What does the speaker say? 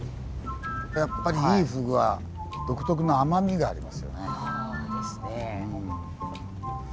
やっぱりいいフグは独特な甘みがありますよね。ですね。